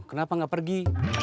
kenapa gak pergi